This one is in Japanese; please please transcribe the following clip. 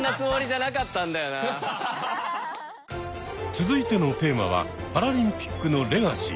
続いてのテーマはパラリンピックのレガシー。